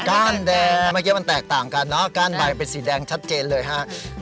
แดงเมื่อกี้มันแตกต่างกันเนอะก้านใบเป็นสีแดงชัดเจนเลยฮะ